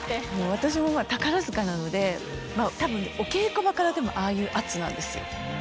私も宝塚なのでたぶんお稽古場からでもああいう圧なんですよ。